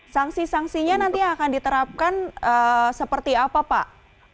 sanksi sanksinya nanti akan diterapkan seperti apa pak